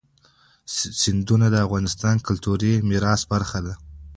سیندونه د افغانستان د کلتوري میراث برخه ده.